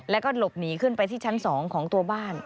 แล้วก็หลบหนีขึ้นไปที่ชั้น๒ของตัวบ้าน